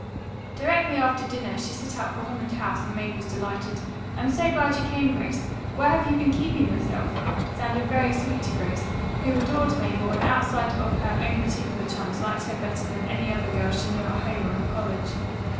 Directly after dinner she set out for Holland House and Mabel's delighted: "I'm so glad you came, Grace. Where have you been keeping yourself?" sounded very sweet to Grace, who adored Mabel and outside of her own particular chums liked her better than any other girl she knew at home or in college.